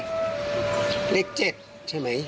เลข๗ใช่ไหม